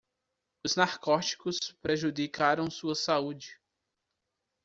Os narcóticos prejudicaram sua saúde